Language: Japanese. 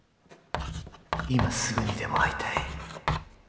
「今すぐにでも会いたい」